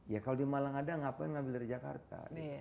ya kalau di malang ada ngapain ambil dari jakarta